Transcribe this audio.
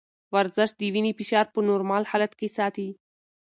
ورزش د وینې فشار په نورمال حالت کې ساتي.